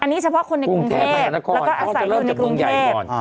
อันนี้เฉพาะคนในกรุงเทพแล้วก็อาศัยอยู่ในกรุงเทพ